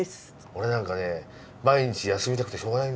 俺なんかね毎日休みたくてしょうがないんだよ。